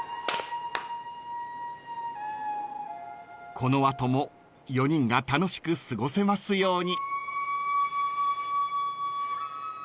［この後も４人が楽しく過ごせますように］